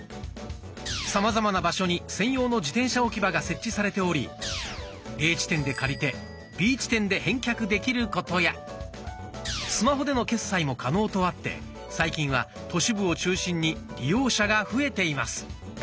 さまざまな場所に専用の自転車置き場が設置されておりＡ地点で借りてＢ地点で返却できることやスマホでの決済も可能とあって最近は都市部を中心に利用者が増えています。